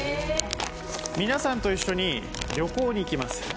皆さんと一緒に旅行に行きます。